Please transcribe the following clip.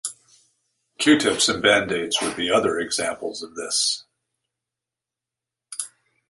Q-tips and band-aids would be other examples of this.